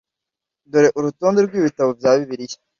dore urutonde rw'ibitabo bya bibiliya